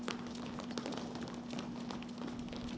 สวัสดีครับทุกคน